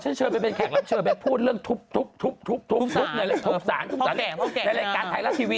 ในการถ่ายรับทีวี